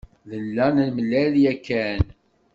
Nella nemlal yakan.